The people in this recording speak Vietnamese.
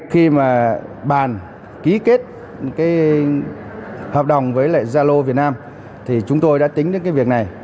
khi mà bàn ký kết cái hợp đồng với lại zalo việt nam thì chúng tôi đã tính đến cái việc này